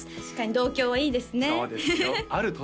確かに同郷はいいですね